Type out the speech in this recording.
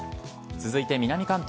続いて南関東。